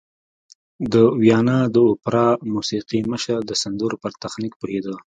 د ویانا د اوپرا موسیقي مشر د سندرو پر تخنیک پوهېده